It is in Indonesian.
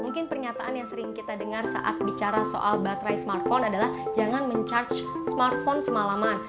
mungkin pernyataan yang sering kita dengar saat bicara soal baterai smartphone adalah jangan men charge smartphone semalaman